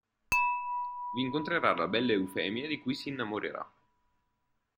Vi incontrerà la bella Eufemia di cui si innamorerà.